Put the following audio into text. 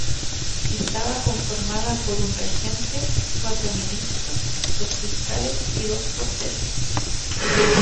Estaba conformada por un regente, cuatro ministros, dos fiscales y dos porteros.